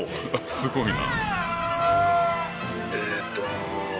すごいな。